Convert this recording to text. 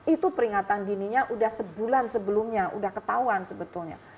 itu peringatan dininya udah sebulan sebelumnya sudah ketahuan sebetulnya